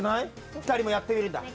ふたりもやってみるんだ。